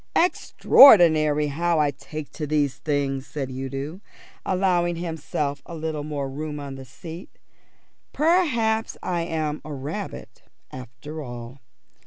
"Extraordinary how I take to these things," said Udo, allowing himself a little more room on the seat. "Perhaps I am a rabbit after all.